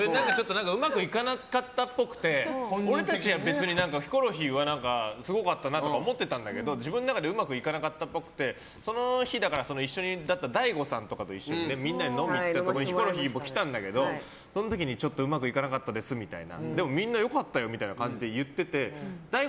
うまくいかなかったっぽくて俺たちは別にヒコロヒーはすごかったなとか思ってたんだけど、自分の中ではうまくいかなかったっぽくてその日、一緒だった大悟さんとかと一緒にみんなで飲みに行った時にヒコロヒーも来たんだけどその時にちょっとうまくいかなかったですみたいな。